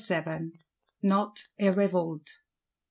5.VII. Not a Revolt.